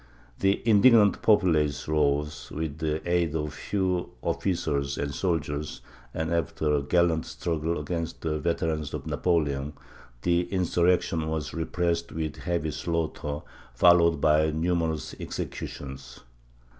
The indignant populace rose, with the aid of a few officers and soldiers and, after a gallant struggle against the veterans of Napoleon, the insurrection was repressed with heavy slaughter, followed by numerous executions.